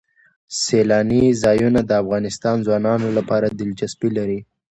سیلانی ځایونه د افغان ځوانانو لپاره دلچسپي لري.